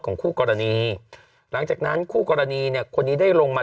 คู่กรณีหลังจากนั้นคู่กรณีเนี่ยคนนี้ได้ลงมา